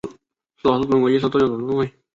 书法是中国艺术的重要组成部份。